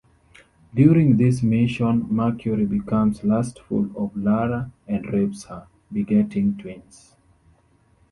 During this mission, Mercury becomes lustful of Lara and rapes her, begetting twins.